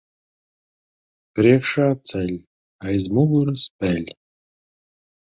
Priekšā ceļ, aiz muguras peļ.